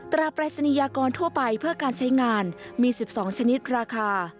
ปรายศนียากรทั่วไปเพื่อการใช้งานมี๑๒ชนิดราคา